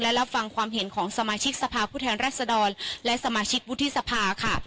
และรับฟังความเห็นของสมาชิกสภาพผู้แทนรัศดรและสมาชิกวุฒิสภาค่ะ